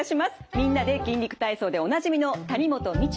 「みんなで筋肉体操」でおなじみの谷本道哉さん。